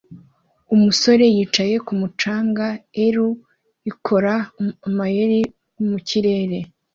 umusore yicaye kumu canga er ukora amayeri mukirere